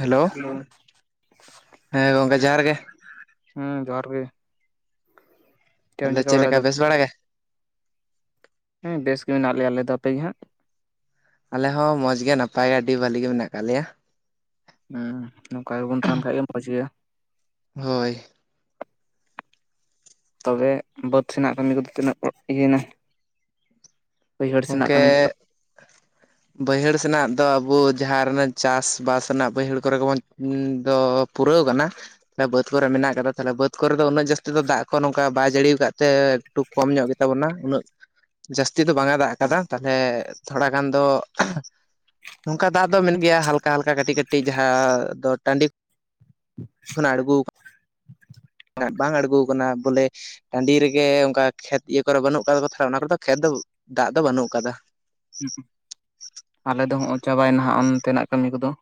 Hello. ᱦᱮᱸ ᱜᱚᱝᱠᱮ ᱡᱚᱦᱟᱨ ᱜᱮ᱾ ᱦᱮᱸ ᱡᱚᱦᱟᱨ ᱜᱮ᱾ ᱪᱮᱫ ᱮᱢ ᱛᱟᱞᱦᱮ ᱪᱤᱠᱟᱹ ᱪᱮᱜ ᱵᱟᱲᱟᱭ ᱞᱮᱠᱟ ᱫᱟ ᱵᱮᱥ ᱵᱟᱲᱟ ᱜᱮ? ᱦᱮᱸ ᱵᱮᱥ ᱜᱮ ᱢᱮᱱᱟᱜ ᱞᱮᱭᱟ ᱟᱞᱮ ᱫᱚ, ᱟᱯᱮ ᱜᱮ ᱦᱟᱸᱜ? ᱟᱞᱮ ᱦᱚᱸ ᱢᱚᱸᱡᱽ ᱜᱮ ᱱᱟᱯᱟᱭ ᱜᱮ ᱟᱹᱰᱤ ᱵᱷᱟᱹᱞᱤ ᱜᱮ ᱢᱮᱱᱟᱜ ᱟᱠᱟᱜ ᱞᱮᱭᱟ᱾ ᱦᱩᱸ ᱱᱚᱝᱠᱟ ᱜᱮᱵᱚᱱ ᱛᱟᱦᱮᱱ ᱠᱷᱟᱡ ᱜᱮ ᱢᱚᱸᱡᱽ ᱜᱮ᱾ ᱦᱳᱭ ᱾ ᱛᱚᱵᱮ ᱵᱟᱹᱫᱽ ᱥᱮᱱᱟᱜ ᱠᱟᱹᱢᱤ ᱠᱚᱫᱚ ᱛᱤᱱᱟᱹᱜ ᱚᱲ ᱤᱭᱟᱹᱭ ᱮᱱᱟ ᱾ ᱜᱚᱝᱠᱮ ᱠᱚᱫᱚ [inaudible] ᱵᱟᱹᱭᱦᱟᱹᱲ ᱥᱮᱱᱟᱜ ᱫᱚ ᱟᱵᱚ ᱡᱟᱦᱟᱸ ᱨᱮ ᱪᱟᱥ-ᱵᱟᱥ ᱨᱮᱱᱟᱜ ᱵᱟᱹᱭᱦᱟᱹᱲ ᱠᱚᱨᱮ ᱜᱮᱵᱚᱱ ᱫᱚ ᱯᱩᱨᱟᱹᱣ ᱟᱠᱟᱱᱟ᱾ [unintelligible] ᱵᱟᱹᱫᱽ ᱠᱚᱨᱮ ᱢᱮᱱᱟᱜ ᱟᱠᱟᱫᱟ ᱛᱟᱞᱦᱮ ᱵᱟᱹᱫᱽ ᱠᱚᱨᱮ ᱫᱚ ᱩᱱᱟᱹᱜ ᱡᱟᱹᱥᱛᱤ ᱫᱚ ᱫᱟᱜ ᱠᱚ ᱱᱚᱝᱠᱟ ᱵᱟᱭ ᱡᱟᱹᱲᱤ ᱟᱠᱟᱜ ᱛᱮ ᱴᱩ ᱠᱚᱢ ᱧᱚᱸᱜ ᱜᱮ ᱛᱟᱵᱚᱱᱟ [inaudible] ᱩᱱᱟᱹᱜ ᱡᱟᱹᱥᱛᱤ ᱫᱚ ᱵᱟᱝᱮ ᱫᱟᱜ ᱟᱠᱟᱫᱟ ᱛᱟᱞᱦᱮ ᱛᱷᱚᱲᱟ ᱜᱟᱱ ᱫᱚ ᱱᱚᱝᱠᱟ ᱫᱟᱜ ᱫᱚ [unintelligible] ᱜᱮᱭᱟ ᱦᱟᱞᱠᱟ ᱦᱟᱞᱠᱟ ᱠᱟᱹᱴᱤᱡ ᱠᱟᱹᱴᱤᱡ ᱡᱟᱦᱟᱸ ᱫᱚ ᱴᱟᱺᱰᱤ ᱠᱷᱚᱱᱟᱜ ᱟᱲᱜᱳᱣ [unintelligible] ᱵᱟᱝ ᱟᱲᱜᱳᱣ ᱠᱟᱱᱟ ᱵᱚᱞᱮ ᱴᱟᱺᱰᱤ ᱨᱮᱜᱮ ᱚᱝᱠᱟ ᱠᱷᱮᱛ ᱤᱭᱟᱹ ᱠᱚᱨᱮ ᱵᱟᱹᱱᱩᱜ ᱠᱟᱫᱟ ᱠᱚ ᱛᱟᱞᱦᱮ ᱚᱱᱟ ᱠᱚᱨᱮ ᱫᱚ ᱠᱷᱮᱛ ᱫᱚ ᱫᱟᱜ ᱫᱚ ᱵᱟᱹᱱᱩᱜ ᱠᱟᱫᱟ ᱾ [inaudible] ᱟᱞᱮ ᱫᱚ ᱦᱚᱜ-ᱚᱭ ᱪᱟᱵᱟᱭ ᱮᱱᱟ ᱦᱟᱸᱜ ᱚᱱᱛᱮ ᱱᱟᱜ ᱠᱟᱹᱢᱤ ᱠᱚᱫᱚ ᱾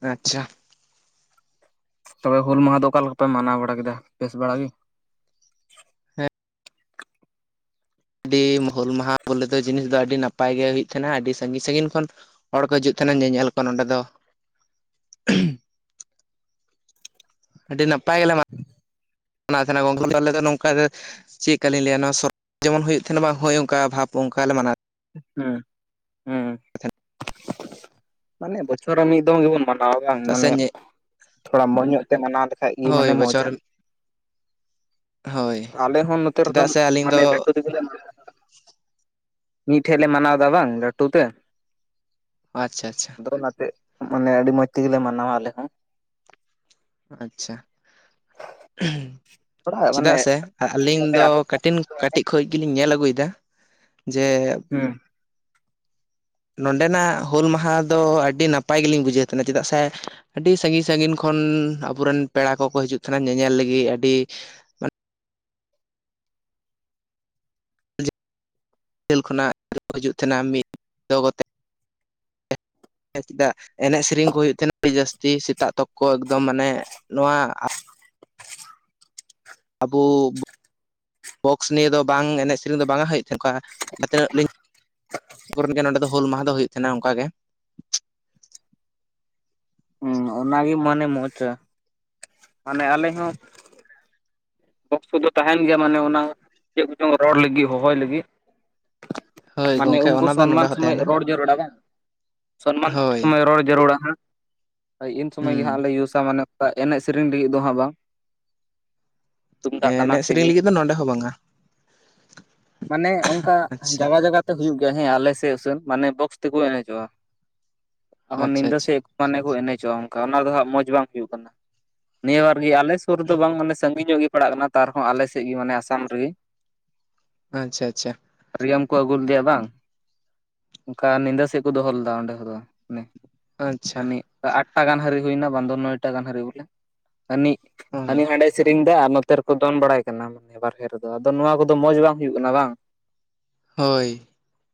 ᱟᱪᱪᱷᱟ ᱾ ᱛᱚᱵᱮ ᱦᱩᱞ ᱢᱟᱦᱟ ᱫᱚ ᱚᱠᱟ ᱞᱮᱠᱟ ᱯᱮ ᱢᱟᱱᱟᱣ ᱵᱟᱲᱟ ᱠᱮᱫᱟ ᱵᱮᱥ ᱵᱟᱲᱟ ᱜᱤ? ᱟᱹᱰᱤ ᱦᱩᱞᱢᱟᱦᱟᱸ ᱵᱚᱞᱮ ᱫᱚ ᱡᱤᱱᱤᱥ ᱫᱚ ᱟᱹᱰᱤ ᱱᱟᱯᱟᱭ ᱜᱮ ᱦᱩᱭᱩᱜ ᱛᱟᱦᱮᱸᱱᱟ ᱟᱹᱰᱤ ᱥᱟᱸᱜᱤᱧ ᱥᱟᱸᱜᱤᱧ ᱠᱷᱚᱱ ᱦᱚᱲ ᱠᱚ ᱦᱤᱡᱩᱜ ᱛᱟᱦᱮᱱᱟ ᱧᱮᱧᱮᱞ ᱠᱚ ᱱᱚᱸᱰᱮ ᱫᱚ᱾ [inaudible] ᱟᱹᱰᱤ ᱱᱟᱯᱟᱭ ᱜᱮᱞᱮ ᱢᱟ [inaudible] ᱱᱟᱣ ᱛᱟᱦᱮᱸᱱᱟ ᱜᱚᱝᱠᱮ ᱟᱞᱮ ᱫᱚ ᱱᱚᱝᱠᱟᱱ ᱜᱮ ᱪᱮᱜ ᱠᱟᱞᱤᱧ ᱞᱟᱹᱭᱟ ᱱᱚᱣᱟ ᱥᱚᱨ ᱡᱮᱢᱚᱱ ᱦᱩᱭᱩᱜ ᱛᱟᱦᱮᱱᱟ ᱵᱟᱝ ᱦᱳᱭ ᱚᱝᱠᱟ ᱵᱷᱟᱵᱽ ᱚᱝᱠᱟ ᱞᱮ ᱢᱟᱱᱟᱣ ᱦᱩᱸ ᱾ ᱢᱟᱱᱮ ᱵᱚᱪᱷᱚᱨ ᱨᱮ ᱢᱤᱫ ᱫᱚᱢ ᱜᱮᱵᱚᱱ ᱢᱟᱱ ᱟᱣᱟ ᱵᱟᱝ ᱪᱮᱫᱟᱜ ᱥᱮ ᱢᱟᱱᱮ [inaudible] ᱛᱷᱚᱲᱟ ᱢᱚᱸᱡᱽ ᱧᱚᱸᱜ ᱛᱮ ᱢᱟᱱᱟᱣ ᱞᱮᱠᱷᱟᱡ ᱜᱮ ᱦᱳᱭ ᱢᱟᱱᱮ ᱵᱚᱪᱷᱚᱨ ᱢᱚᱸᱡᱽᱟ ᱾ ᱦᱳᱭ [inaudible] ᱟᱞᱮ ᱦᱚᱸ ᱱᱚᱛᱮ ᱨᱮᱫᱚ ᱪᱮᱫᱟᱜ ᱥᱮ ᱟᱹᱞᱤᱧ ᱫᱚ ᱢᱟᱱᱮ [unintelligible] [inaudible] ᱢᱤᱫ ᱴᱷᱮᱜ ᱞᱮ ᱢᱟᱱᱟᱣ ᱮᱫᱟ ᱵᱟᱝ ᱞᱟᱹᱴᱩ ᱛᱮ ᱾ ᱟᱪᱪᱷᱟ ᱟᱪᱪᱷᱟ᱾ ᱟᱫᱚ ᱚᱱᱟᱛᱮ ᱢᱟᱱᱮ ᱟᱹᱰᱤ ᱢᱚᱸᱡᱽ ᱛᱮᱜᱮ ᱞᱮ ᱢᱟᱱᱟᱣᱟ ᱟᱞᱮ ᱦᱚᱸ᱾ ᱟᱪᱪᱷᱟ ᱾ ᱛᱷᱚᱲᱟ [inaudible] ᱢᱟᱱᱮ ᱪᱮᱫᱟᱜ ᱥᱮ ᱦᱩᱸ ᱟᱹᱞᱤᱧ ᱫᱚ ᱠᱟᱴᱤᱱ ᱠᱟᱹᱴᱤᱡ ᱠᱷᱚᱱ ᱜᱮᱞᱤᱧ ᱧᱮᱞ ᱟᱹᱜᱩᱭᱮᱫᱟ [inaudible] ᱡᱮ ᱦᱮᱸ ᱾ [inaudible] ᱱᱚᱰᱮᱱᱟᱜ ᱦᱩᱞ ᱢᱟᱦᱟ ᱫᱚ ᱟᱹᱰᱤ ᱱᱟᱯᱟᱭ ᱜᱮᱞᱤᱧ ᱵᱩᱡᱷᱟᱹᱣ ᱛᱟᱦᱮᱱᱟ ᱪᱮᱫᱟᱜ ᱥᱮ ᱟᱹᱰᱤ ᱥᱟᱺᱜᱤᱧ ᱥᱟᱺᱜᱤᱧ ᱠᱷᱚᱱ ᱟᱵᱚᱨᱮᱱ ᱯᱮᱲᱟ ᱠᱚᱠᱚ ᱦᱤᱡᱩᱜ ᱛᱟᱦᱮᱱᱟ ᱧᱮᱧᱮᱞ ᱞᱟᱹᱜᱤᱫ ᱟᱹᱰᱤ ᱡᱷᱟᱞ ᱠᱷᱚᱱᱟᱜ ᱦᱤᱡᱩᱜ ᱛᱟᱦᱮᱱᱟ ᱢᱤᱫ ᱫᱚ ᱠᱚᱛᱮ [inaudible] ᱪᱮᱫᱟᱜ ᱮᱱᱮᱡ ᱥᱮᱨᱮᱧ ᱠᱚ ᱦᱩᱭᱩᱜ ᱛᱟᱦᱮᱱᱟ ᱟᱹᱰᱤ ᱡᱟᱹᱥᱛᱤ ᱥᱮᱛᱟᱜ ᱛᱚᱠᱚ ᱮᱠᱫᱚᱢ ᱢᱟᱱᱮ ᱱᱚᱣᱟ ᱟᱵᱩ ᱵᱚᱠᱥ ᱱᱤᱭᱟᱹ ᱫᱚ ᱵᱟᱝ ᱮᱱᱮᱡ ᱥᱮᱨᱮᱧ ᱫᱚ ᱵᱟᱝ ᱦᱩᱭᱩᱜ ᱛᱟᱦᱮᱸ ᱛᱟᱠᱚᱣᱟ ᱡᱟᱦᱟᱸ ᱛᱤᱱᱟᱹᱜ ᱞᱤᱧ [unintelligible] ᱱᱚᱰᱮ ᱫᱚ ᱦᱩᱞ ᱢᱟᱦᱟ ᱫᱚ ᱦᱩᱭᱩᱜ ᱛᱟᱦᱮᱱᱟ ᱚᱱᱠᱟ ᱜᱮ ᱾ ᱦᱩᱸ ᱚᱱᱟᱜᱮ ᱢᱟᱱᱮ ᱢᱚᱡᱽᱟ ᱾ [inaudible] ᱢᱟᱱᱮ ᱟᱞᱮ ᱦᱚᱸ ᱵᱚᱠᱥ ᱠᱚ ᱫᱚ ᱛᱟᱦᱮᱱ ᱜᱮᱭᱟ ᱢᱟᱱᱮ ᱪᱮᱫ ᱠᱚᱪᱚᱝ ᱨᱚᱲ ᱞᱟᱹᱜᱤᱫ ᱦᱚᱦᱚᱭ ᱞᱟᱹᱜᱤᱫ ᱾ [inaudible] ᱦᱳᱭ ᱢᱟᱱᱮ ᱜᱚᱝᱠᱮ ᱩᱱᱠᱩ ᱚᱱᱟ ᱫᱚ ᱱᱚᱸᱰᱮ ᱥᱚᱱᱢᱟᱱ ᱦᱚᱸ ᱥᱚᱢᱚᱭ ᱛᱟᱦᱮᱱᱟ ᱨᱚᱲ ᱡᱟᱹᱨᱩᱲᱟ ᱵᱟᱝ? [inaudible] ᱥᱚᱱᱢᱟᱱ ᱦᱳᱭ ᱥᱚᱢᱚᱭ ᱨᱚᱲ ᱡᱟᱹᱨᱩᱲᱟ ᱦᱟᱝ ᱾ ᱤᱱ ᱥᱚᱢᱚᱭ ᱜᱮ ᱦᱩᱸ ᱦᱟᱸᱜ ᱞᱮ ᱤᱭᱩᱥᱟ ᱢᱟᱱᱮ ᱮᱱᱮᱡ ᱥᱮᱨᱮᱧ ᱞᱤᱹᱜᱤᱫ ᱫᱚ ᱦᱟᱸᱜ ᱵᱟᱝ ᱛᱩᱢᱫᱟᱜ ᱴᱟᱢᱟᱠ ᱮᱱᱮᱡ ᱥᱮᱨᱮᱧ ᱨᱮᱜᱤ ᱞᱟᱹᱜᱤᱫ ᱫᱚ ᱱᱚᱸᱰᱮ ᱦᱚᱸ ᱵᱟᱝᱟ ᱢᱟᱱᱮ ᱚᱝᱠᱟ ᱟᱪᱪᱷᱟ ᱡᱟᱜᱟ ᱡᱟᱭᱜᱟ ᱦᱩᱭᱩᱜ ᱜᱮᱭᱟ ᱦᱮᱸ ᱟᱞᱮ ᱥᱮᱫ ᱩᱥᱟᱹᱱ ᱢᱟᱱᱮ ᱵᱚᱠᱥ ᱛᱮᱠᱚ ᱮᱱᱮᱡᱚᱜᱼᱟ᱾ ᱟᱨᱦᱚ ᱟᱪᱪᱷᱟ ᱧᱤᱫᱟᱹ ᱟᱪᱪᱷᱟ ᱥᱮᱡ ᱢᱟᱱᱮ ᱠᱚ ᱮᱱᱮᱡᱚᱜᱼᱟ᱾ ᱚᱝᱠᱟ ᱚᱱᱟ ᱫᱚ ᱦᱟᱸᱜ ᱢᱚᱸᱡᱽ ᱵᱟᱝ ᱦᱩᱭᱩᱜ ᱠᱟᱱᱟ᱾ ᱱᱤᱭᱟᱹ ᱵᱟᱨ ᱜᱮ ᱟᱞᱮ ᱥᱩᱨ ᱨᱮ ᱫᱚ ᱵᱟᱝ ᱢᱟᱱᱮ ᱥᱟᱺᱜᱤᱧ ᱧᱚᱜ ᱜᱮ ᱯᱟᱲᱟᱜ ᱠᱟᱱᱟ ᱛᱟᱨᱦᱚᱸ ᱟᱞᱮ ᱥᱮᱫ ᱜᱮ ᱢᱟᱱᱮ ᱟᱥᱟᱢ ᱨᱤᱜᱤ ᱟᱪᱪᱷᱟ ᱟᱪᱪᱷᱟ᱾ ᱨᱤᱭᱮᱢ ᱠᱚ ᱟᱹᱜᱩ ᱞᱮᱫᱮᱭᱟ ᱵᱟᱝ ᱚᱝᱠᱟ ᱱᱤᱫᱟᱹ ᱥᱮᱫ ᱠᱚ ᱫᱚᱦᱚ ᱞᱮᱫᱟ ᱚᱸᱰᱮ ᱠᱚᱫᱚ ᱱᱮ ᱟᱪᱪᱷᱟ ᱦᱟᱱᱤ ᱟᱴᱴᱟ ᱜᱟᱱ ᱦᱟᱹᱨᱤ ᱦᱩᱭᱱᱟ ᱵᱟᱝ ᱫᱚ ᱱᱚᱭᱴᱟ ᱜᱟᱱ ᱦᱟᱹᱨᱤ ᱵᱚᱞᱮ ᱦᱟᱱᱤ ᱦᱟᱱᱤ ᱦᱳᱭ ᱦᱟᱱᱰᱮ ᱥᱤᱨᱤᱧ ᱫᱟᱭ ᱟᱨ ᱱᱚᱛ ᱨᱮᱠᱚ ᱫᱚᱱ ᱵᱟᱲᱟᱭ ᱠᱟᱱᱟ ᱢᱟᱱᱮ ᱵᱟᱨᱦᱮ ᱨᱮᱫᱚ ᱟᱫᱚ ᱱᱚᱣᱟ ᱠᱚᱫᱚ ᱢᱚᱸᱡᱽ ᱦᱩᱭᱩᱜ ᱠᱟᱱᱟ ᱵᱟᱝ ᱦᱳᱭ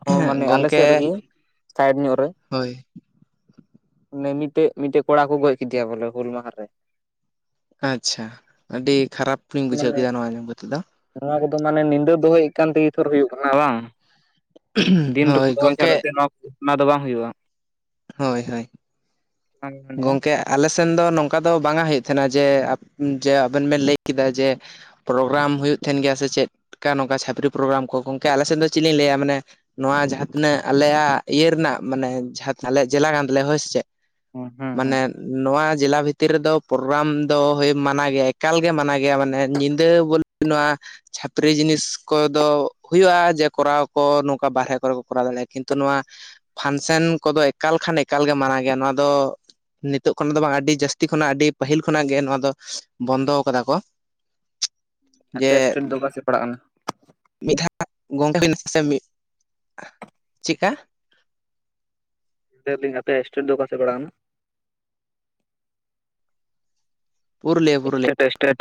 ᱦᱚᱸ ᱦᱮᱸ ᱢᱟᱱᱮ ᱟᱞᱮ ᱥᱮᱫ ᱜᱚᱝᱠᱮ ᱨᱮᱜᱮ ᱥᱟᱭᱤᱰ ᱧᱚᱜ ᱨᱮ ᱦᱳᱭ᱾ ᱚᱱᱮ ᱢᱤᱴᱮᱡ ᱢᱤᱴᱮᱡ ᱠᱚᱲᱟ ᱠᱚ ᱜᱚᱡ ᱠᱮᱫᱮᱭᱟ ᱵᱚᱞᱮ ᱦᱩᱞ ᱢᱟᱦᱟ ᱨᱮ ᱟᱪᱪᱷᱟ, ᱟᱹᱰᱤ ᱠᱷᱟᱨᱟᱯ ᱞᱤᱧ ᱵᱩᱡᱷᱟᱹᱣ ᱢᱟᱱᱮ ᱠᱮᱫᱟ ᱱᱚᱣᱟ ᱟᱡᱚᱢ ᱠᱟᱛᱮᱫ ᱫᱚ ᱱᱚᱣᱟ ᱠᱚᱫᱚ ᱢᱟᱱᱮ ᱱᱤᱫᱟᱹ ᱫᱚᱦᱚᱭᱮᱫ ᱠᱟᱱ ᱛᱮᱜᱮ ᱛᱷᱚᱨ ᱦᱩᱭᱩᱜ ᱠᱟᱱᱟ ᱵᱟᱝ ᱫᱤᱱ ᱨᱮᱠᱚ ᱦᱳᱭ ᱫᱚᱦᱚ ᱜᱚᱝᱠᱮ ᱠᱷᱚᱱ ᱱᱚᱣᱟ [unintelligible] ᱱᱚᱣᱟ ᱫᱚ ᱵᱟᱝ ᱦᱩᱭᱩᱜᱼᱟ᱾ ᱦᱳᱭ ᱦᱳᱭ ᱚᱱᱟᱜᱮ ᱢᱮᱱᱮᱫ ᱠᱟᱱ ᱜᱚᱝᱠᱮ ᱟᱞᱮ ᱥᱮᱱ ᱫᱚ ᱱᱚᱝᱠᱟ ᱫᱚ ᱵᱟᱝᱟ ᱦᱩᱭᱩᱜ ᱛᱟᱦᱮᱸᱱᱟ, ᱡᱮ ᱡᱮ ᱟᱵᱮᱱ ᱵᱮᱱ ᱞᱟᱹᱭ ᱠᱮᱫᱟ ᱡᱮ ᱯᱨᱳᱜᱨᱟᱢ ᱦᱩᱭᱩᱜ ᱛᱟᱦᱮᱱ ᱜᱮᱭᱟ ᱥᱮ ᱪᱮᱫᱮᱠᱟ ᱪᱷᱟᱯᱨᱤ ᱯᱨᱳᱜᱨᱟᱢ ᱠᱚ ᱜᱚᱝᱠᱮ ᱟᱞᱮ ᱥᱮᱫ ᱫᱚ ᱪᱮᱫ ᱞᱤᱧ ᱞᱟᱹᱭᱟ ᱢᱟᱱᱮ ᱱᱚᱣᱟ ᱡᱟᱦᱟᱸ ᱛᱤᱱᱟᱹᱜ ᱟᱞᱮᱭᱟᱜ ᱤᱭᱟᱹ ᱨᱮᱱᱟᱜ ᱢᱟᱱᱮ ᱡᱟᱦᱟ ᱟᱞᱮ ᱡᱮᱞᱟ ᱜᱟᱱ ᱫᱚᱞᱮ ᱦᱳᱭ ᱥᱮ ᱪᱮᱫ ᱦᱩᱸ ᱦᱩᱸ ᱦᱩᱸ ᱢᱟᱱᱮ ᱱᱚᱣᱟ ᱡᱮᱞᱟ ᱵᱷᱤᱛᱤᱨ ᱨᱮᱫᱚ ᱯᱨᱳᱨᱟᱢ ᱫᱚ ᱢᱟᱱᱟ ᱜᱮᱭᱟ ᱮᱠᱟᱞᱜᱮ ᱢᱟᱱᱟ ᱜᱮᱭᱟ ᱢᱟᱱᱮ ᱧᱤᱫᱟᱹ ᱵᱚᱞ ᱱᱚᱣᱟ᱾ ᱪᱷᱟᱹᱯᱨᱤ ᱡᱤᱱᱤᱥ ᱠᱚᱫᱚ ᱦᱩᱭᱩᱜᱼᱟ᱾ ᱡᱮ ᱠᱚᱨᱟᱣ ᱠᱚ ᱱᱚᱝᱠᱟ ᱵᱟᱦᱨᱮ ᱠᱚᱨᱮ ᱠᱚ ᱠᱚᱨᱟᱣ ᱫᱟᱲᱮᱭᱟᱜᱼᱟ᱾ ᱠᱤᱱᱛᱩ ᱱᱚᱣᱟ ᱯᱷᱟᱱᱥᱮᱱ ᱠᱚᱫᱚ ᱮᱠᱟᱞ ᱢᱟᱱᱟ ᱜᱮᱭᱟ ᱱᱚᱣᱟ ᱫᱚ ᱱᱤᱛᱚᱜ ᱠᱷᱚᱱᱟᱜ ᱫᱚ ᱵᱟᱝ᱾ ᱟᱹᱰᱤ ᱡᱟᱹᱥᱛᱤ ᱠᱷᱚᱱᱟᱜ ᱟᱹᱰᱤ ᱯᱟᱹᱦᱤᱞ ᱠᱷᱚᱱᱟᱜ ᱜᱮ ᱱᱚᱣᱟ ᱫᱚ ᱵᱚᱱᱫᱚ ᱠᱟᱫᱟ ᱠᱚ᱾ ᱟᱯᱮᱭᱟᱜ ᱡᱮ ᱮᱥᱴᱮᱰ ᱫᱚ ᱚᱠᱟ ᱥᱮᱫ ᱯᱟᱲᱟᱜ ᱠᱟᱱᱟ? ᱢᱤᱫ ᱫᱷᱟᱣ ᱜᱚᱝᱠᱮ [unintelligible] ᱪᱮᱫᱠᱟ ᱞᱟᱭ ᱫᱤᱧ ᱟᱯᱮᱭᱟᱜ ᱮᱥᱴᱮᱰ ᱫᱚ ᱚᱠᱟ ᱥᱮᱫ ᱯᱟᱲᱟᱜ ᱱᱟ᱾ Purulia Purulia state state.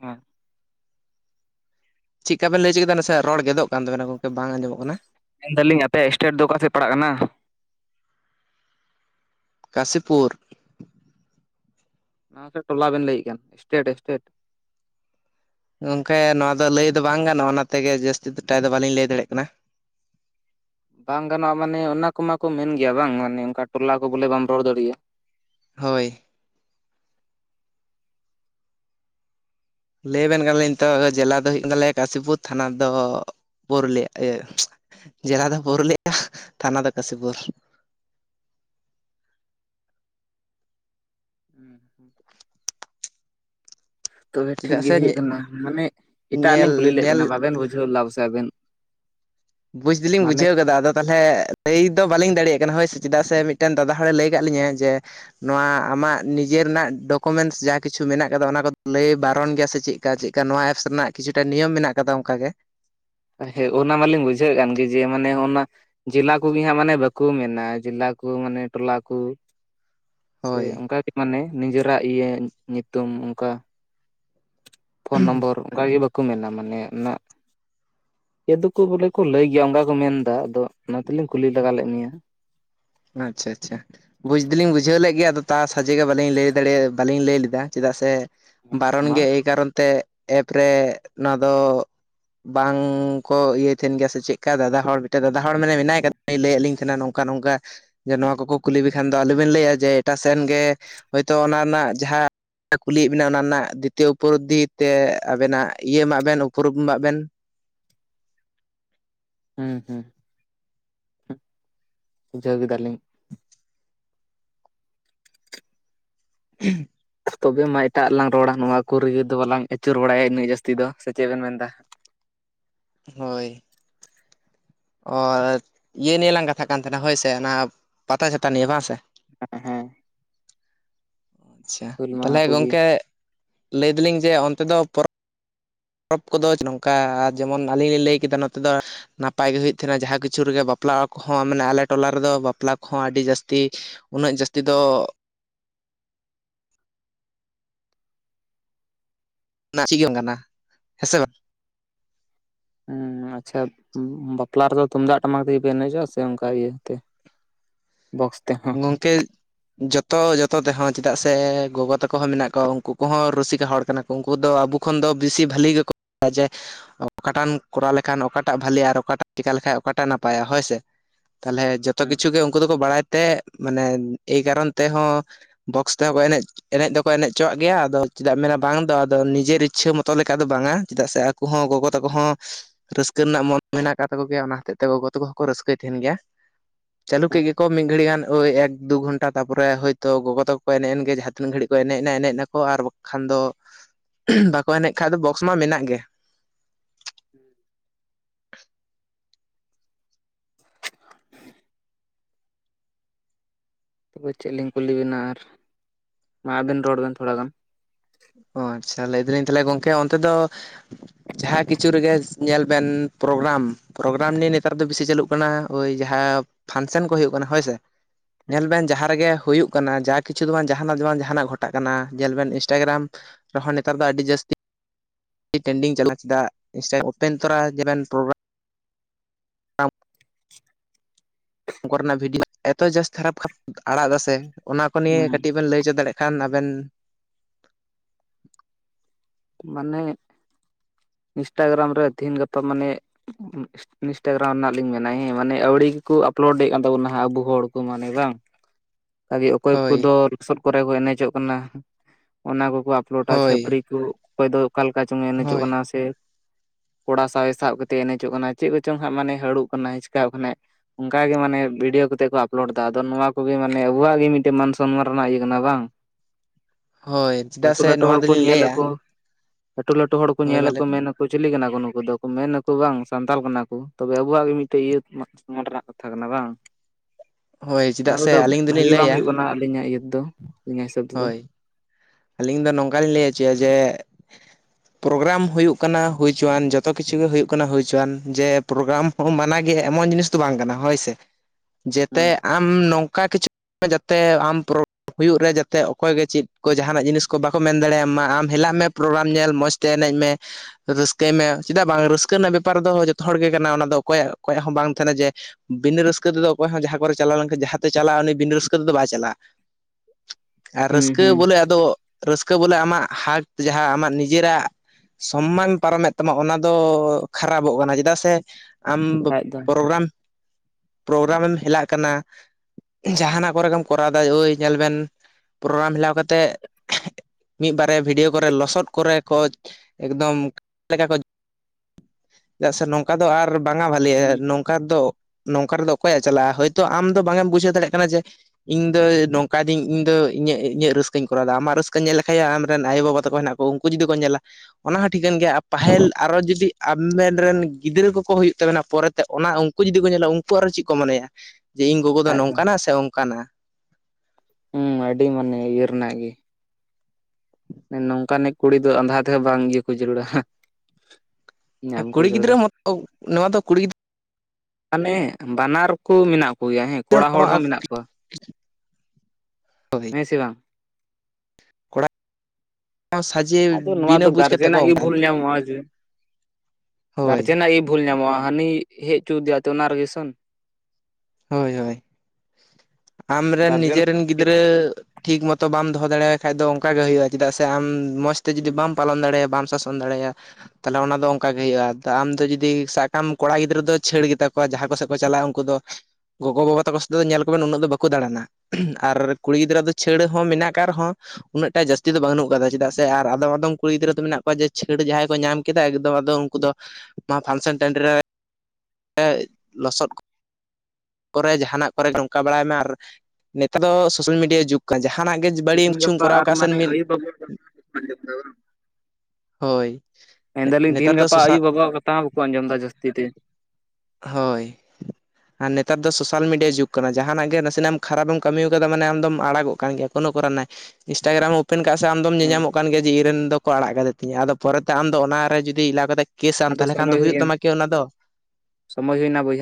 ᱦᱮᱸ [unintelligible] ᱪᱤᱜᱠᱟ ᱵᱮᱱ ᱞᱟᱹᱭᱪᱚ ᱠᱮᱫᱟ ᱱᱟᱥᱮ ᱨᱚᱲ ᱜᱮᱫᱚᱜ ᱠᱟᱱ ᱛᱟᱵᱱᱟ ᱜᱚᱝᱠᱮ ᱵᱟᱝ ᱟᱸᱡᱚᱢᱚᱜ ᱠᱟᱱᱟ᱾ ᱢᱮᱱᱫᱟ ᱞᱤᱧ ᱟᱯᱮ ᱥᱴᱮᱴ ᱫᱚ ᱚᱠᱟ ᱥᱮᱫ ᱯᱟᱲᱟᱜ ᱠᱟᱱᱟ᱾ ᱠᱟᱹᱥᱤᱯᱩᱨ᱾ ᱢᱟᱥᱮ ᱴᱚᱞᱟ ᱵᱮᱱ ᱞᱟᱹᱭᱮᱫ ᱠᱟᱱ ᱮᱥᱴᱮᱴ ᱥᱥᱴᱮᱴ? ᱜᱚᱝᱠᱮ ᱱᱚᱣᱟ ᱫᱚ ᱞᱟᱹᱭ ᱫᱚ ᱵᱟᱝ ᱜᱟᱱᱚᱜᱟ ᱚᱱᱟ ᱛᱮᱜᱮ ᱡᱟᱹᱥᱛᱤ ᱫᱚ ᱴᱟ ᱫᱚ ᱵᱟᱞᱤᱧ ᱞᱟᱹᱭ ᱫᱟᱲᱮᱭᱟᱜ ᱠᱟᱱᱟ᱾ ᱵᱟᱝ ᱜᱟᱱᱚᱜᱼᱟ᱾ ᱢᱟᱱᱮ ᱚᱱᱟ ᱠᱚᱢᱟ ᱠᱚ ᱢᱮᱱ ᱜᱮᱭᱟ ᱠᱚ ᱵᱟᱝ ᱢᱟᱱᱮ ᱚᱱᱠᱟ ᱴᱚᱞᱟ ᱠᱚ ᱵᱚᱞᱮ ᱵᱟᱢ ᱨᱚᱲ ᱫᱟᱲᱮᱭᱟᱜᱼᱟ᱾ ᱦᱳᱭ᱾ ᱞᱟᱹᱭ ᱟᱵᱮᱱ ᱠᱟᱱᱟᱞᱤᱧ ᱛᱚ ᱡᱮᱞᱟ ᱫᱚ ᱦᱩᱭᱩᱜ ᱛᱟᱞᱮᱭᱟ ᱠᱟᱥᱤᱯᱩᱨ ᱛᱷᱟᱱᱟ ᱫᱚ ᱯᱩᱨᱩᱞᱤᱭᱟᱹ ᱤᱭᱟᱹ ᱡᱮᱞᱟ ᱫᱚ ᱯᱩᱨᱩᱞᱤᱭᱟᱹ ᱛᱷᱟᱱᱟ ᱫᱚ ᱠᱟᱥᱤᱯᱩᱨ᱾ [inaudible] ᱛᱚᱵᱮ ᱴᱷᱤᱠ ᱪᱮᱫᱟᱜ ᱜᱮ ᱥᱮ ᱦᱩᱭᱩᱜ ᱠᱟᱱᱟ᱾ ᱢᱟᱱᱮ ᱮᱴᱟᱜ ᱧᱮᱞ ᱞᱤᱧ ᱠᱩᱞᱤ ᱞᱮᱫ ᱧᱮᱞ ᱵᱮᱱᱟ ᱵᱟᱵᱮᱱ ᱵᱩᱡᱷᱟᱹᱣ ᱞᱮᱫ ᱥᱮ ᱟᱵᱮᱱ? ᱵᱩᱡᱽ ᱫᱚᱞᱤᱧ ᱢᱟᱱᱮ ᱵᱩᱡᱷᱟᱹᱣ ᱠᱮᱫᱟ ᱟᱫᱚ ᱛᱟᱦᱚᱞᱮ ᱞᱟᱹᱭ ᱫᱚ ᱵᱟᱞᱤᱧ ᱫᱟᱲᱮᱭᱟᱜ ᱠᱟᱱᱟ ᱦᱳᱭ ᱥᱮ ᱪᱮᱫᱟᱜ ᱥᱮ ᱢᱤᱫᱴᱮᱱ ᱫᱟᱫᱟ ᱦᱚᱲᱮ ᱞᱟᱹᱭ ᱠᱟᱫ ᱞᱤᱧᱟᱹ ᱡᱮ ᱱᱚᱣᱟ ᱟᱢᱟᱜ ᱱᱤᱡᱮ ᱨᱮᱱᱟᱜ ᱰᱚᱠᱩᱢᱮᱱᱴᱥ ᱡᱟ ᱠᱤᱪᱷᱩ ᱢᱮᱱᱟᱜ ᱠᱟᱫᱟ ᱚᱱᱟ ᱠᱚ ᱞᱟᱹᱭ ᱵᱟᱨᱚᱱ ᱜᱮᱭᱟ ᱥᱮ ᱪᱮᱜ? ᱪᱮᱠᱟ ᱪᱮᱫᱠᱟ ᱱᱚᱣᱟ ᱮᱯᱥ ᱨᱮᱱᱟᱜ ᱠᱤᱪᱷᱩᱴᱟ ᱱᱤᱭᱚᱢ ᱢᱮᱱᱟᱜ ᱠᱟᱫᱟ ᱚᱝᱠᱟ ᱜᱮ᱾ ᱦᱮᱸ ᱚᱱᱟ ᱢᱟᱞᱤᱧ ᱵᱩᱡᱷᱟᱹᱣᱮᱫ ᱠᱟᱱᱜᱮ ᱡᱮ ᱢᱟᱱᱮ ᱚᱱᱟ ᱡᱮᱞᱟ ᱠᱚᱜᱮ ᱦᱟᱸᱜ ᱢᱟᱱᱮ ᱵᱟᱠᱚ ᱢᱮᱱᱟ ᱡᱮᱞᱟ ᱠᱩ ᱢᱟᱱᱮ ᱴᱚᱞᱟ ᱠᱩ᱾ ᱥᱮ ᱦᱳᱭ ᱚᱱᱠᱟᱜᱮ ᱢᱟᱱᱮ ᱱᱤᱡᱮᱨᱟᱜ ᱤᱭᱟᱹ ᱧᱩᱛᱩᱢ ᱚᱱᱠᱟ ᱯᱷᱳᱱ ᱱᱚᱢᱵᱚᱨ ᱚᱱᱠᱟᱜ ᱜᱮ ᱵᱟᱠᱚ ᱢᱮᱱᱟ ᱢᱟᱱᱮ ᱩᱱᱟᱹᱜ ᱡᱮ ᱫᱚᱠᱚ ᱵᱚᱞᱮ ᱠᱚ ᱞᱟᱹᱭ ᱜᱮᱭᱟ ᱚᱱᱠᱟ ᱠᱚ ᱢᱮᱱ ᱫᱟ ᱟᱫᱚ ᱚᱱᱟᱛᱮᱞᱤᱧ ᱠᱩᱞᱤ ᱞᱟᱜᱟ ᱞᱮᱜ ᱢᱮᱭᱟ᱾ ᱟᱪᱪᱷᱟ ᱟᱪᱪᱷᱟ ᱵᱩᱡᱽ ᱫᱚᱞᱤᱧ ᱵᱩᱡᱷᱟᱹᱣ ᱞᱮᱫ ᱜᱮᱭᱟ ᱟᱫᱚ ᱛᱟ ᱥᱟᱡᱮ ᱜᱮ ᱵᱟᱹᱞᱤᱧ ᱞᱟᱹᱭ ᱫᱟᱲᱮᱭᱟᱜ ᱵᱟᱹᱞᱤᱧ ᱞᱟᱹᱭ ᱞᱮᱫᱟ ᱪᱮᱫᱟᱜ ᱥᱮ ᱵᱟᱨᱚᱱ ᱢᱟ ᱜᱮᱭᱟ ᱮᱭ ᱠᱟᱨᱚᱱ ᱛᱮ ᱮᱯ ᱨᱮ ᱱᱚᱣᱟ ᱫᱚ ᱵᱟᱝ ᱠᱚ ᱤᱭᱟᱹᱭ ᱛᱟᱦᱮᱱ ᱜᱮᱭᱟ ᱥᱮ ᱪᱮᱫᱠᱟ ᱫᱟᱫᱟ ᱦᱚᱲ ᱢᱤᱫᱴᱮᱱ ᱫᱟᱫᱟ ᱦᱚᱲ ᱢᱟᱱᱮ ᱢᱮᱱᱟᱭ ᱠᱟᱫ ᱞᱟᱹᱭᱟᱜᱞᱤᱧ ᱛᱟᱦᱮᱱᱟ ᱱᱚᱝᱠᱟ ᱱᱚᱝᱠᱟ ᱡᱮ ᱱᱚᱣᱟ ᱠᱚᱠᱚ ᱠᱩᱞᱤ ᱞᱮᱠᱷᱟᱱ ᱫᱚ ᱟᱞ ᱵᱮᱱ ᱞᱟᱹᱭᱟ ᱡᱮ ᱮᱴᱟᱜ ᱥᱮᱱ ᱜᱮ ᱦᱳᱭᱛᱳ ᱚᱱᱟ ᱨᱮᱱᱟᱜ ᱡᱟᱦᱟᱸ ᱠᱩᱞᱤᱭᱮᱫ ᱵᱮᱱᱟ ᱚᱱᱟ ᱨᱮᱱᱟᱜ ᱫᱤᱛᱤᱭᱚ ᱩᱯᱚᱞᱚᱵᱽᱫᱤ ᱛᱮ ᱟᱵᱮᱱᱟᱜ ᱤᱭᱟᱹ ᱮᱢᱟᱜ ᱵᱮᱱ ᱩᱯᱨᱩᱢ ᱮᱢᱟᱜ ᱵᱮᱱ᱾ ᱦᱩᱸ ᱦᱩᱸ᱾ ᱵᱩᱡᱷᱟᱹᱣ ᱠᱮᱫᱟᱞᱤᱧ᱾ [unintelligible] ᱛᱚᱵᱮ ᱢᱟ ᱮᱴᱟᱜ ᱨᱮᱞᱟᱟᱝ ᱨᱚᱲᱟ ᱱᱚᱣᱟ ᱠᱚ ᱨᱮᱜᱮ ᱫᱚ ᱵᱟᱞᱟᱝ ᱟᱹᱪᱩᱨ ᱵᱟᱲᱟᱭᱟ ᱩᱱᱟᱹᱜ ᱡᱟᱹᱥᱛᱤ ᱫᱚ ᱥᱮ ᱪᱮᱫ ᱵᱮᱱ ᱢᱮᱱᱫᱟ? ᱦᱳᱭ᱾ ᱚᱻ ᱤᱭᱟᱹ ᱱᱤᱭᱟᱹ ᱞᱟᱝ ᱠᱟᱛᱷᱟᱜ ᱠᱟᱱ ᱛᱟᱦᱮᱱᱟ ᱦᱳᱭ ᱥᱮ ᱚᱱᱟ ᱯᱟᱛᱟ ᱪᱷᱟᱛᱟ ᱱᱤᱭᱟᱹ ᱵᱟᱝ ᱥᱮ? ᱦᱮᱸ ᱦᱮᱸ᱾ ᱟᱪᱪᱷᱟ ᱦᱩᱞ ᱢᱟᱦᱟ ᱛᱟᱦᱚᱞᱮ ᱠᱚᱜᱮ ᱜᱚᱝᱠᱮ, ᱞᱟᱹᱭ ᱫᱟᱹᱞᱤᱧ ᱡᱮ ᱚᱱᱛᱮ ᱫᱚ ᱯᱚᱨᱚ ᱨᱚᱵᱽ ᱠᱚᱫᱚ ᱱᱚᱝᱠᱟ ᱡᱮᱢᱚᱱ ᱟᱹᱞᱤᱧ ᱞᱤᱧ ᱞᱟᱹᱭ ᱠᱮᱫᱟ ᱱᱚᱛᱮ ᱫᱚ ᱱᱟᱯᱟᱭ ᱜᱮ ᱦᱩᱭᱩᱜ ᱛᱟᱦᱮᱱᱟ ᱡᱟᱦᱟᱸ ᱠᱤᱪᱷᱩ ᱨᱮᱜᱮ ᱵᱟᱯᱞᱟ ᱠᱚᱦᱚᱸ ᱢᱟᱱᱮ ᱟᱞᱮ ᱴᱚᱞᱟ ᱨᱮᱫᱚ ᱵᱟᱯᱞᱟ ᱠᱚᱦᱚᱸ ᱟᱹᱰᱤ ᱡᱟᱹᱥᱛᱤ ᱩᱱᱟᱹᱜ ᱡᱟᱹᱥᱛᱤ ᱫᱚ ᱚᱱᱟ ᱪᱮᱫ ᱜᱮ [unintelligible] ᱠᱟᱱᱟ ᱦᱮᱸᱥᱮ ᱵᱟᱝ? ᱦᱩᱸ ᱟᱪᱪᱷᱟ, ᱵᱟᱯᱞᱟ ᱨᱮᱫᱚ ᱛᱩᱢᱫᱟᱜ ᱴᱟᱢᱟᱠ ᱛᱮᱜᱮ ᱯᱮ ᱮᱱᱮᱡᱚᱜᱼᱟ ᱥᱮ ᱚᱱᱠᱟ ᱤᱭᱟᱹᱛᱮ? [unintelligible] ᱵᱚᱠᱥ ᱛᱮ᱾ ᱜᱚᱝᱠᱮ᱾ ᱡᱚᱛᱚ ᱡᱚᱛᱚ ᱛᱮᱦᱚᱸ ᱪᱮᱫᱟᱜ ᱥᱮ ᱜᱚᱜᱚ ᱛᱟᱠᱚ ᱦᱚᱸ ᱢᱮᱱᱟᱜ ᱠᱚᱣᱟ ᱩᱱᱠᱩ ᱠᱚᱦᱚᱸ ᱨᱩᱥᱤᱠᱟ ᱦᱚᱲ ᱠᱟᱱᱟ ᱠᱚ᱾ ᱩᱱᱠᱩ ᱫᱚ ᱟᱵᱚ ᱠᱷᱚᱱ ᱫᱚ ᱵᱮᱥᱤ ᱵᱷᱟᱹᱞᱤ ᱜᱮᱠᱚ ᱡᱮ ᱚᱠᱟᱴᱟᱜ ᱠᱚᱨᱟᱣ ᱞᱮᱠᱷᱟᱱ ᱚᱠᱟᱴᱟᱜ ᱵᱷᱟᱞᱮᱼᱟ ᱟᱨ ᱚᱠᱟᱴᱟᱜ ᱪᱮᱠᱟ ᱞᱮᱠᱷᱟᱱ ᱚᱠᱟᱴᱟᱜ ᱱᱟᱯᱟᱭᱟ ᱦᱳᱭ ᱥᱮ? ᱛᱟᱦᱞᱮ ᱡᱚᱛᱚ ᱦᱩᱸ ᱠᱤᱪᱷᱩ ᱜᱮ ᱩᱱᱠᱩ ᱫᱚᱠᱚ ᱵᱟᱲᱟᱭ ᱛᱮ ᱢᱟᱱᱮ ᱮᱭ ᱠᱟᱨᱚᱱ ᱛᱮᱦᱚᱸ ᱵᱚᱠᱥ ᱛᱮᱦᱚᱸᱠᱚ ᱮᱱᱮᱡ ᱮᱱᱮᱡ ᱫᱚᱠᱚ ᱮᱱᱮᱡ ᱪᱚᱣᱟᱜ ᱜᱮᱭᱟ ᱟᱫᱚ ᱪᱮᱫᱟᱜ ᱢᱮᱱᱟ ᱵᱟᱝ ᱫᱚ ᱟᱫᱚ ᱱᱤᱡᱮᱨ ᱤᱪᱪᱷᱟᱹ ᱢᱚᱛᱚ ᱞᱮᱠᱟ ᱫᱚ ᱵᱟᱝᱼᱟ ᱪᱮᱫᱟᱜ ᱥᱮ ᱠᱚ ᱦᱚ ᱜᱚᱜᱚ ᱛᱟᱠᱚ ᱦᱚᱸ ᱨᱟᱹᱥᱠᱟᱹ ᱨᱮᱱᱟᱜ ᱢᱚᱱ ᱢᱮᱱᱟᱜ ᱠᱟᱫ ᱛᱟᱠᱚᱜᱮᱭᱟ ᱚᱱᱟ ᱦᱚᱛᱮᱡ ᱛᱮ ᱜᱚᱜᱚ ᱛᱟᱠᱚᱦᱚᱸ ᱠᱚ ᱨᱟᱹᱥᱠᱟᱹᱭ ᱛᱟᱦᱮᱱ ᱜᱮᱭᱟ ᱪᱟᱹᱞᱩ ᱠᱮᱫ ᱦᱩᱸ᱾ ᱜᱮᱠᱚ᱾ ᱢᱤᱫ ᱜᱷᱟᱹᱲᱤ ᱜᱟᱱ ᱳᱭ ᱮᱠ ᱫᱩ ᱜᱷᱚᱱᱴᱟ ᱛᱟᱯᱚᱨᱮ ᱦᱚᱭᱛᱳ ᱜᱚᱜᱚ ᱛᱟᱠᱚ ᱮᱱᱮᱡ ᱮᱱ ᱜᱮ ᱡᱟᱦᱟᱸ ᱛᱤᱱᱟᱹᱜ ᱷᱟᱹᱲᱤᱡ ᱠᱚ ᱮᱱᱮᱡ ᱮᱱᱟ ᱮᱱᱮᱡ ᱱᱟᱠᱚ ᱟᱨ ᱠᱷᱟᱱ ᱫᱚ ᱵᱟᱠᱚ ᱮᱱᱮᱡ ᱠᱷᱟᱡ ᱫᱚ ᱵᱚᱠᱥ ᱢᱟ ᱢᱮᱱᱟᱜ ᱜᱮ᱾ ᱦᱩᱸ᱾ ᱛᱚᱵᱮ ᱪᱮᱫ ᱞᱤᱧ ᱠᱩᱞᱤ ᱵᱤᱱᱟ ᱟᱨ [inaudible] ᱢᱟ ᱟᱵᱤᱱ ᱨᱚᱲ ᱵᱤᱱ ᱛᱷᱚᱲᱟ ᱜᱟᱱ᱾ ᱚ ᱟᱪᱪᱷᱟ ᱞᱟᱹᱭ ᱫᱟᱞᱤᱧ ᱛᱟᱦᱚᱞᱮ ᱜᱚᱝᱠᱮ ᱚᱱᱛᱮ ᱫᱚ ᱡᱟᱦᱟᱸ ᱠᱤᱪᱷᱩ ᱨᱮᱜᱮ ᱧᱮᱞ ᱵᱮᱱ ᱯᱨᱳᱜᱨᱟᱢ᱾ ᱯᱨᱳᱜᱨᱟᱢ ᱱᱤᱭᱮ ᱱᱮᱛᱟᱨ ᱫᱚ ᱵᱮᱥᱤ ᱪᱟᱹᱞᱩᱜ ᱠᱟᱱᱟ ᱳᱭ ᱡᱟᱦᱟᱸ ᱯᱷᱟᱱᱥᱮᱱ ᱠᱚ ᱦᱳᱭᱳᱜ ᱠᱟᱱᱟ ᱦᱳᱭᱥᱮ᱾ ᱧᱮᱞ ᱵᱮᱱ ᱡᱟᱦᱟᱸ ᱨᱮᱜᱮ ᱦᱳᱭᱳᱜ ᱠᱟᱱᱟ ᱡᱟ ᱠᱤᱪᱷᱩ ᱫᱚ ᱵᱟᱝ ᱡᱟᱦᱟᱱᱟᱜ ᱫᱚ ᱵᱟᱝ ᱡᱟᱦᱟᱱᱟᱜ ᱜᱷᱚᱴᱟᱜ ᱠᱟᱱᱟ ᱧᱮᱞ ᱵᱮᱱ ᱤᱥ ᱤᱱᱥᱴᱟᱜᱨᱟᱢ ᱨᱮᱦᱚᱸ ᱱᱮᱛᱟᱨ ᱫᱚ ᱟᱹᱰᱤ ᱡᱟᱹᱥᱛᱤ ᱴᱨᱮᱱᱰᱤᱝ ᱪᱟᱞᱟᱜ ᱠᱟᱱᱟ ᱪᱮᱫᱟᱜ ᱤᱱᱥᱴᱟ ᱚᱯᱮᱱ ᱛᱚᱨᱟ ᱡᱮᱢᱚᱱ ᱯᱨᱳᱜᱨᱟᱢᱼᱼ ᱟᱢᱼᱼ ᱠᱚᱨᱮᱱᱟᱜ ᱵᱷᱤᱰᱤᱭᱳ ᱮᱛᱚ ᱡᱟᱹᱥᱛᱤ ᱠᱷᱟᱨᱟᱯ ᱟᱲᱟᱜ ᱫᱟᱥᱮ ᱚᱱᱟ ᱠᱚ ᱱᱤᱭᱮ ᱦᱩᱸ ᱠᱟᱹᱴᱤᱡ ᱵᱮᱱ ᱞᱟᱹᱭ ᱚᱪᱚ ᱫᱟᱲᱮᱭᱟᱜ-ᱟ᱾ ᱠᱷᱟᱱ ᱟᱵᱮᱱ ᱢᱟᱱᱮ ᱤᱱᱥᱴᱟᱜᱨᱟᱢ ᱨᱮ ᱛᱮᱦᱮᱧ ᱜᱟᱯᱟ ᱢᱟᱱᱮ ᱤᱱᱥᱴᱟᱜᱨᱟᱢ ᱨᱮᱱᱟᱜ ᱞᱤᱝᱠ ᱢᱟᱱᱮ ᱦᱮᱸ ᱢᱟᱱᱮ ᱟᱹᱣᱲᱤ ᱜᱮᱠᱚ ᱟᱯᱞᱳᱰ ᱮᱫ ᱛᱟᱵᱚᱱᱟ ᱟᱵᱚ ᱦᱚᱲ ᱠᱚ ᱢᱟᱱᱮ ᱵᱟᱝ? ᱟᱜᱮ ᱚᱠᱚᱭ ᱦᱳᱭ ᱠᱚᱫᱚ ᱞᱚᱥᱚᱫ ᱠᱚᱨᱮ ᱠᱚ ᱮᱱᱮᱡᱚᱜ ᱠᱟᱱᱟ ᱚᱱᱟ ᱠᱚᱠᱚ ᱟᱯᱞᱳᱰ ᱞᱚᱰᱟ ᱦᱳᱭ ᱪᱷᱟᱹᱯᱨᱤ ᱠᱚ ᱚᱠᱚᱭ ᱫᱚ ᱚᱠᱟ ᱞᱮᱠᱟ ᱪᱚᱝ ᱮ ᱮᱱᱮᱡᱚᱜ ᱦᱳᱭ ᱠᱟᱱᱟ ᱥᱮ? ᱠᱚᱲᱟ ᱥᱟᱶᱮ ᱥᱟᱵ ᱠᱟᱛᱮᱫ ᱮᱱᱮᱡᱚᱜ ᱠᱟᱱᱟᱭ ᱪᱮᱫ ᱠᱚᱪᱚᱝ ᱠᱷᱟᱡ ᱢᱟᱱᱮ ᱦᱟᱹᱲᱩᱵᱚᱜ ᱠᱟᱱᱟᱭ ᱪᱤᱠᱟᱣ ᱠᱟᱱᱟᱭ᱾ ᱚᱱᱠᱟ ᱜᱮ ᱢᱟᱱᱮ ᱵᱷᱤᱰᱭᱳ ᱠᱟᱛᱮᱜ ᱠᱚ ᱟᱯᱞᱳᱰ ᱫᱟ ᱟᱫᱚ ᱱᱚᱣᱟ ᱠᱚᱜᱮ ᱢᱟᱱᱮ ᱟᱵᱚᱣᱟᱜ ᱜᱮ ᱢᱤᱫᱴᱮᱡ ᱢᱟᱱ ᱥᱚᱱᱢᱟᱱ ᱨᱮᱱᱟᱜ ᱤᱭᱟᱹ ᱠᱟᱱᱟ ᱵᱟᱝ? ᱦᱳᱭ ᱪᱮᱫᱟᱜ ᱞᱟᱹᱴᱩ ᱥᱮ ᱞᱟᱹᱴᱩ ᱱᱚᱣᱟ ᱦᱚᱲ ᱠᱚ ᱫᱚᱞᱤᱧ ᱧᱮᱞ ᱞᱟᱹᱭᱟ ᱟᱠᱚ᱾ ᱞᱟᱹᱴᱩ ᱞᱟᱹᱴᱩ ᱦᱚᱲ ᱠᱚ ᱦᱳᱭ ᱧᱮᱞ ᱢᱟ ᱟᱠᱚ ᱞᱟᱹᱭ ᱵᱮᱱ ᱢᱮᱱᱟ ᱠᱚ ᱱᱩᱠᱩ ᱪᱮᱞᱮ ᱠᱟᱱᱟ ᱠᱚ ᱱᱩᱠᱩ ᱫᱚ ᱢᱮᱱᱟᱠᱚ ᱵᱟᱝ ᱥᱟᱱᱛᱟᱞ ᱠᱟᱱᱟ ᱠᱚ ᱛᱚ ᱟᱵᱚᱣᱟᱜ ᱜᱮ ᱢᱤᱫᱴᱮᱡ ᱤᱭᱟᱹ ᱢᱟᱼᱼ ᱢᱚᱛ ᱨᱮᱱᱟᱜ ᱠᱟᱛᱷᱟ ᱠᱟᱱᱟ ᱵᱟᱝ? ᱦᱳᱭ ᱚᱱᱟ ᱪᱮᱫᱟᱜ ᱥᱮ ᱠᱚᱫᱚ ᱟᱹᱞᱤᱧ ᱫᱚᱞᱤᱧ ᱵᱷᱟᱹᱜᱤ ᱵᱟᱝ ᱞᱟᱹᱭᱟ ᱦᱩᱭᱩᱜ ᱠᱟᱱᱟ ᱟᱹᱞᱤᱧᱟᱜ ᱤᱭᱟᱹ ᱛᱮᱫᱚ ᱟᱹᱞᱤᱧᱟᱜ ᱦᱤᱥᱟᱹᱵ ᱛᱮᱫᱚ ᱦᱳᱭ ᱟᱹᱞᱤᱧ ᱫᱚ ᱱᱚᱝᱠᱟᱞᱤᱧ ᱞᱟᱹᱭ ᱦᱚᱪᱚᱭᱟ ᱡᱮ [inaudible] ᱯᱨᱳᱜᱨᱟᱢ ᱦᱩᱭᱩᱜ ᱠᱟᱱᱟ ᱦᱩᱭᱪᱚᱣᱟᱱ ᱡᱚᱛᱚ ᱠᱤᱪᱷᱩ ᱜᱮ ᱦᱩᱭᱩᱜ ᱠᱟᱱᱟ ᱦᱩᱭᱪᱚᱣᱟᱱ ᱡᱮ ᱯᱨᱳᱜᱨᱟᱢ ᱦᱚ ᱢᱟᱱᱟ ᱜᱮᱭᱟ ᱮᱢᱚᱱ ᱡᱤᱱᱤᱥ ᱫᱚ ᱵᱟᱝ ᱠᱟᱱᱟ ᱦᱳᱭ ᱥᱮ᱾ [inaudible] ᱡᱟᱛᱮ ᱦᱩᱸ ᱟᱢ ᱱᱚᱝᱠᱟ ᱠᱤᱪᱷᱩ ᱡᱟᱛᱮ ᱟᱢ ᱯᱨᱳᱜᱨᱟᱢ ᱦᱩᱭᱩᱜ ᱨᱮ ᱡᱟᱛᱮ ᱛᱮ ᱚᱠᱚᱭ ᱜᱮ ᱪᱮᱫ ᱠᱚ ᱡᱟᱦᱟᱱᱟᱜ ᱡᱤᱱᱤᱥ ᱠᱚ ᱵᱟᱠᱚ ᱢᱮᱱ ᱫᱟᱲᱮᱭᱟᱢ ᱢᱟ ᱟᱢ ᱦᱮᱞᱟᱜ ᱢᱮ ᱯᱨᱳᱜᱨᱟᱢ ᱧᱮᱞ ᱢᱚᱡᱽ ᱛᱮ ᱮᱱᱮᱡ ᱢᱮ᱾ ᱨᱟᱹᱥᱠᱟᱹᱭ ᱢᱮ ᱪᱮᱫᱟᱜ ᱵᱟᱝ ᱨᱟᱹᱥᱠᱟᱹ ᱨᱮᱱᱟᱜ ᱵᱮᱯᱟᱨ ᱫᱚ ᱡᱚᱛᱚ ᱦᱚᱲᱜᱮ ᱠᱟᱱᱟ ᱚᱱᱟ ᱫᱚ ᱚᱠᱚᱭᱟᱜ ᱚᱠᱚᱭᱟᱜ ᱦᱚᱸ ᱵᱟᱝ ᱛᱟᱦᱮᱱᱟ ᱡᱮ ᱵᱤᱱᱟᱹ ᱨᱟᱹᱥᱠᱟᱹ ᱛᱮᱫᱚ ᱚᱠᱚᱭ ᱦᱚᱸ ᱡᱟᱦᱟᱸ ᱠᱚᱨᱮ ᱪᱟᱞᱟᱣ ᱞᱮᱱᱠᱷᱟᱱ ᱡᱟᱦᱟᱸᱛᱮ ᱪᱟᱞᱟᱜᱼᱟ ᱩᱱᱤ ᱵᱤᱱᱟᱹ ᱨᱟᱹᱥᱠᱟᱹ ᱛᱮᱫᱚ ᱵᱟᱭ ᱪᱟᱞᱟᱜ-ᱟ᱾ ᱟᱨ ᱦᱩᱸ ᱨᱟᱹᱥᱠᱟᱹ ᱦᱩᱸ ᱵᱚᱞᱮ ᱟᱫᱚ ᱨᱟᱹᱥᱠᱟᱹ ᱵᱚᱞᱮ ᱟᱢᱟᱜ ᱦᱟᱠ ᱡᱟᱦᱟᱸ ᱟᱢᱟᱜ ᱱᱤᱡᱮᱨᱟᱜ ᱥᱚᱢᱢᱟᱱ ᱯᱟᱨᱚᱢᱮᱫ ᱛᱟᱢᱟ ᱚᱱᱟ ᱫᱚ ᱠᱷᱟᱨᱟᱯᱚᱜ ᱠᱟᱱᱟ ᱪᱮᱫᱟᱜ ᱥᱮ? ᱟᱢ ᱫᱚ ᱯᱨᱳᱜᱨᱟᱢᱼᱼ ᱯᱨᱳᱜᱨᱟᱢ ᱮᱢ ᱦᱮᱞᱟᱜ ᱠᱟᱱᱟ ᱡᱟᱦᱟᱱᱟᱜ ᱠᱚᱨᱮ ᱜᱮᱢ ᱠᱚᱨᱟᱣ ᱫᱟ ᱳᱭ ᱧᱮᱞ ᱵᱮᱱ ᱯᱨᱳᱜᱨᱟᱢ ᱦᱮᱞᱟᱣ ᱠᱟᱛᱮᱫ ᱢᱤᱫ ᱵᱟᱨᱭᱟ ᱵᱷᱤᱰᱭᱳ ᱠᱚᱨᱮ ᱞᱚᱥᱚᱫ ᱠᱚᱨᱮ ᱠᱚ ᱮᱠᱫᱚᱢ ᱞᱮᱠᱟ ᱠᱚ ᱪᱮᱫᱟᱜ ᱥᱮ ᱱᱚᱝᱠᱟ ᱫᱚ ᱟᱨ ᱵᱟᱝᱟ ᱵᱷᱟᱹᱞᱮᱭᱟ ᱱᱚᱝᱠᱟ ᱫᱚ ᱱᱚᱝᱠᱟ ᱨᱮᱫᱚ ᱚᱠᱚᱭᱟᱜ ᱪᱟᱞᱟᱜ-ᱟ ᱦᱳᱭᱛᱳ ᱟᱢ ᱫᱚ ᱵᱟᱝ ᱮᱢ ᱵᱩᱡᱷᱟᱹᱣ ᱫᱟᱲᱮᱭᱟᱜ ᱠᱟᱱᱟ ᱡᱮ ᱤᱧ ᱫᱚ ᱱᱚᱝᱠᱟᱭ ᱫᱤᱧ ᱤᱧ ᱫᱚ ᱤᱧᱟᱜ ᱨᱟᱹᱥᱠᱟᱹᱧ ᱠᱚᱨᱟᱣᱫᱟ ᱟᱢᱟᱜ ᱨᱟᱹᱥᱠᱟᱹ ᱧᱮᱞ ᱞᱮᱠᱷᱟᱡ ᱫᱚ ᱟᱢᱨᱮᱱ ᱟᱭᱳ ᱵᱟᱵᱟ ᱛᱟᱠᱚ ᱦᱮᱱᱟᱜ ᱠᱚᱣᱟ ᱩᱱᱠᱩ ᱡᱩᱫᱤ ᱠᱚ ᱧᱮᱞᱟ ᱚᱱᱟ ᱦᱚᱸ ᱴᱷᱤᱠᱟᱹᱱ ᱜᱮᱭᱟ ᱯᱟᱹᱦᱤᱞ ᱟᱨᱚ ᱡᱩᱫᱤ ᱟᱵᱮᱱ ᱨᱮᱱ ᱜᱤᱫᱽᱨᱟᱹ ᱠᱚᱠᱚ ᱦᱩᱭᱩᱜ ᱛᱟᱵᱤᱱᱟ ᱯᱚᱨᱮᱛᱮ ᱚᱱᱟ ᱩᱱᱠᱩ ᱡᱩᱫᱤ ᱠᱚ ᱧᱮᱞᱟ ᱩᱱᱠᱩ ᱟᱨᱦᱚᱸ ᱪᱮᱫ ᱠᱚ ᱢᱚᱱᱮᱭᱟ? ᱡᱮ ᱤᱧ ᱜᱚᱜᱚ ᱫᱚ ᱱᱚᱝᱠᱟᱱᱟ ᱥᱮ ᱚᱱᱠᱟᱱᱟ? ᱦᱩᱸ ᱟᱹᱰᱤ ᱢᱟᱱᱮ ᱤᱭᱟᱹ ᱨᱮᱱᱟᱜ ᱜᱮ ᱱᱚᱝᱠᱟᱱᱤᱡ ᱠᱩᱲᱤ ᱫᱚ ᱟᱸᱫᱷᱟ ᱛᱮᱦᱚᱸ ᱵᱟᱝ ᱤᱭᱟᱹ ᱠᱚ ᱡᱟᱹᱨᱩᱲᱟ᱾ ᱦᱮᱸ ᱧᱟᱢ ᱠᱚ ᱠᱩᱲᱤ ᱜᱤᱫᱽᱨᱟᱹ ᱡᱟᱹᱨᱩᱲᱟ ᱢᱚᱛᱚ ᱱᱚᱣᱟ ᱫᱚ ᱠᱩᱲᱤ ᱜᱤᱫᱽᱨᱟᱹ ᱢᱟᱱᱮ ᱵᱟᱱᱟᱨ ᱠᱚ ᱢᱮᱱᱟᱜ ᱠᱚᱜᱮᱭᱟ ᱦᱮᱸ ᱜᱤᱫᱽᱨᱟᱹ ᱠᱚᱲᱟ ᱦᱚᱲ ᱦᱚᱸ ᱢᱮᱱᱟᱜ ᱠᱚᱣᱟ᱾ ᱦᱮ ᱥᱮ ᱵᱟᱝ? ᱠᱚᱲᱟ ᱠᱚ ᱥᱟᱡᱼᱼ ᱟᱫᱚ ᱱᱚᱣᱟ ᱵᱤᱱᱟᱹ ᱫᱚ ᱵᱩᱡ ᱠᱟᱛᱮ ᱜᱟᱨᱡᱮᱱᱟᱜ ᱜᱮ ᱵᱷᱩᱞ ᱧᱟᱢᱚᱜᱼᱟ ᱡᱮ ᱦᱳᱭ ᱜᱟᱨᱡᱮᱱᱟᱜ ᱜᱮ ᱵᱷᱩᱞ ᱧᱟᱢᱚᱜᱼᱟ ᱦᱟᱹᱱᱤ ᱦᱮᱡ ᱦᱚᱪᱚ ᱟᱫᱮᱭᱟ ᱛᱚ ᱚᱱᱟ ᱨᱮᱜᱮ ᱥᱮᱱ ᱦᱳᱭ ᱦᱳᱭ ᱟᱢᱨᱮᱱ ᱜᱟᱨᱡᱮᱱ ᱱᱤᱡᱮᱨᱮᱱ ᱜᱤᱫᱽᱨᱟᱹ ᱴᱷᱤᱠ ᱢᱚᱛᱚ ᱵᱟᱢ ᱫᱚᱦᱚᱟᱲᱮᱭᱟᱭ ᱠᱷᱟᱡ ᱫᱚ ᱚᱱᱠᱟ ᱜᱮ ᱦᱩᱭᱩᱜ-ᱟ ᱪᱮᱫᱟᱜ ᱥᱮ ᱟᱢ ᱢᱚᱸᱡᱽ ᱛᱮ ᱡᱩᱫᱤ ᱵᱟᱢ ᱯᱟᱞᱚᱱ ᱫᱟᱲᱮᱭᱟ ᱵᱟᱢ ᱥᱟᱥᱚᱱ ᱚᱱ ᱫᱟᱲᱮᱭᱟ-ᱜ ᱛᱟᱦᱚᱞᱮ ᱚᱱᱟ ᱫᱚ ᱚᱱᱠᱟ ᱜᱮ ᱦᱩᱭᱩᱜᱼᱟ ᱟᱢ ᱫᱚ ᱡᱩᱫᱤ ᱥᱟᱵᱠᱟᱢ ᱠᱚᱲᱟ ᱜᱤᱫᱽᱨᱟᱹ ᱫᱚ ᱪᱷᱟᱹᱲ ᱜᱮᱛᱟ ᱠᱚᱣᱟ ᱡᱟᱦᱟᱸ ᱠᱚ ᱥᱮᱜ ᱠᱚ ᱪᱟᱞᱟᱜ-ᱟ ᱩᱱᱠᱩ ᱫᱚ ᱜᱚᱜᱚ, ᱵᱟᱵᱟ ᱛᱟᱠᱚ ᱥᱟᱛᱮᱫ ᱫᱚ ᱧᱮᱞ ᱠᱚᱵᱮᱱ ᱱᱩᱱᱟᱹᱜ ᱫᱚ ᱵᱟᱠᱚ ᱫᱟᱬᱟᱱᱟ। ᱟᱨ ᱠᱩᱲᱤ ᱜᱤᱫᱽᱨᱟᱹ ᱫᱚ ᱪᱷᱟᱹᱲ ᱦᱚᱸ ᱢᱮᱱᱟᱜ ᱟᱠᱟᱫ ᱨᱮᱦᱚᱸ ᱩᱱᱟᱹᱜᱴᱟ ᱡᱟᱹᱥᱛᱤ ᱫᱚ ᱵᱟᱹᱱᱩᱜ ᱟᱠᱟᱫᱟ ᱪᱮᱫᱟᱜ ᱥᱮ ᱟᱨ ᱟᱫᱚᱢ ᱟᱫᱚᱢ ᱠᱩᱲᱤ ᱜᱤᱫᱽᱨᱟᱹ ᱫᱚ ᱢᱮᱱᱟᱜ ᱠᱚᱣᱟ ᱡᱮ ᱪᱷᱟᱹᱲ ᱡᱟᱦᱟᱸᱭ ᱠᱚ ᱧᱟᱢ ᱠᱮᱫᱟ ᱮᱠᱫᱚᱢ ᱟᱫᱚ ᱩᱱᱠᱩ ᱫᱚ ᱢᱟ ᱯᱷᱟᱱᱥᱮᱱ ᱴᱟᱺᱰᱤ ᱨᱮ ᱮᱭ ᱞᱚᱥᱚᱫ ᱠᱚ ᱠᱚᱨᱮ ᱡᱟᱦᱟᱱᱟᱜ ᱠᱚᱨᱮ ᱚᱱᱠᱟ ᱵᱟᱲᱟᱭ ᱢᱮ ᱟᱨ ᱱᱮᱛᱟᱨ ᱫᱚ ᱥᱳᱥᱟᱞ ᱢᱤᱰᱤᱭᱟ ᱡᱩᱜᱽ। ᱠᱟᱱᱟ ᱡᱟᱦᱟᱱᱟᱜ ᱜᱮ ᱵᱟᱹᱲᱤᱡ ᱮᱢ ᱛᱮᱦᱮᱸᱧ ᱠᱤᱪᱷᱩᱢ ᱜᱟᱯᱟ ᱠᱚᱨᱟᱣ ᱟᱨ ᱠᱟᱜ ᱥᱮ ᱢᱟᱱᱮ ᱢᱤᱫ ᱟᱭᱩ [unintelligible] ᱵᱟᱝ? ᱦᱳᱭ ᱢᱮᱱᱫᱟᱞᱤᱧ ᱱᱮᱛᱟᱨ ᱛᱤᱦᱤᱧ ᱫᱚ ᱜᱟᱯᱟ ᱥᱳᱥᱟᱞ ᱟᱭᱩ, ᱵᱟᱵᱟᱣᱟᱜ ᱠᱟᱛᱷᱟ ᱦᱚᱸ ᱵᱟᱠᱚ ᱟᱸᱡᱚᱢᱫᱟ ᱡᱟᱹᱥᱛᱤ ᱛᱮ। ᱦᱳᱭ᱾ ᱟᱨ ᱱᱮᱛᱟᱨ ᱫᱚ ᱥᱳᱥᱟᱞ ᱢᱤᱰᱤᱭᱟ ᱡᱩᱜᱽ ᱠᱟᱱᱟ ᱡᱟᱦᱟᱱᱟᱜ ᱜᱮ ᱱᱟᱥᱮᱱᱟᱜ ᱮᱢ ᱠᱷᱟᱨᱟᱯ ᱮᱢ ᱠᱟᱹᱢᱤ ᱟᱠᱟᱫᱟ ᱢᱟᱱᱮ ᱟᱢᱫᱚᱢ ᱟᱲᱟᱜᱚᱜ ᱠᱟᱱ ᱜᱮᱭᱟ। ᱠᱳᱱ ᱠᱚᱨᱟᱨ ᱱᱟᱭ ᱤᱱᱥᱴᱟᱜᱨᱟᱢ ᱳᱯᱮᱱ ᱠᱟᱜ-ᱟ ᱥᱮ ᱟᱢᱫᱚᱢ ᱦᱮᱸ ᱧᱮᱸᱧᱟᱢᱚᱜ ᱠᱟᱱ ᱜᱮᱭᱟ ᱡᱮ ᱤᱧᱨᱮᱱ ᱫᱚᱠᱚ ᱟᱲᱟᱜ ᱠᱟᱫᱮ ᱛᱤᱧᱟᱹ ᱟᱫᱚ ᱯᱚᱨᱮᱛᱮ ᱟᱢᱫᱚ ᱚᱱᱟᱨᱮ ᱡᱩᱫᱤ ᱦᱮᱞᱟᱣ ᱠᱟᱛᱮ ᱠᱮᱥᱟᱢ ᱟᱫᱚ ᱛᱟᱦᱚᱞᱮ ᱠᱷᱟᱱ ᱫᱚ ᱥᱚᱢᱚᱭ ᱦᱩᱭᱩᱜ ᱦᱩᱭᱮᱱ ᱛᱟᱢᱟ ᱠᱤ ᱚᱱᱟ ᱫᱚ ᱥᱚᱢᱚᱭ ᱦᱩᱭᱱᱟ ᱵᱚᱭᱦᱟ?